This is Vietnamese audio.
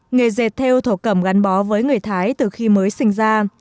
nghề dệt theo thổ cầm gắn bó với người thái từ khi mới sinh ra